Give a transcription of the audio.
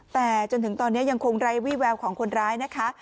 แต่จนถึงตอนนี้ยังคงไร้วี่แววของคนร้ายนะคะ